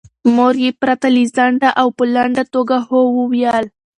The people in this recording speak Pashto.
مور یې پرته له ځنډه او په لنډه توګه هو وویل.